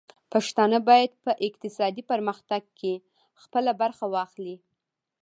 پښتانه بايد په اقتصادي پرمختګ کې خپله برخه واخلي.